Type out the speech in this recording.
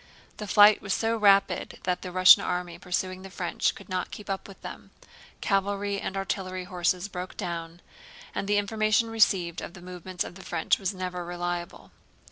The flight was so rapid that the Russian army pursuing the French could not keep up with them; cavalry and artillery horses broke down, and the information received of the movements of the French was never reliable.